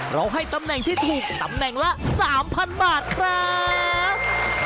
ให้ตำแหน่งที่ถูกตำแหน่งละ๓๐๐๐บาทครับ